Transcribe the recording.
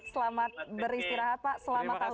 selamat beristirahat pak selamat tahun baru